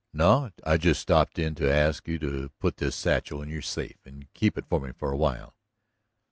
"No. I just stepped in to ask you to put this satchel in your safe and keep it for me a while."